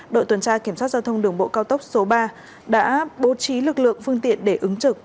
đội tuần tra kiểm soát giao thông đường bộ cao tốc số ba đã bố trí lực lượng phương tiện để ứng trực